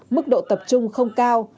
mức độ tập trung không cao